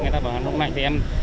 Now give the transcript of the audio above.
người ta bảo hàng đông lạnh thì em